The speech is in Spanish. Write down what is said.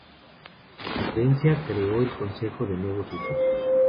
La conferencia creó el Consejo de los Nuevos Usos.